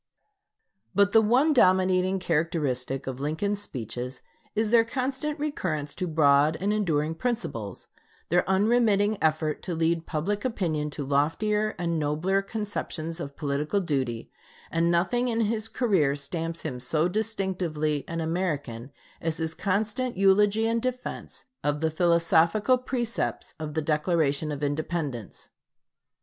But the one dominating characteristic of Lincoln's speeches is their constant recurrence to broad and enduring principles, their unremitting effort to lead public opinion to loftier and nobler conceptions of political duty; and nothing in his career stamps him so distinctively an American as his constant eulogy and defense of the philosophical precepts of the Declaration of Independence.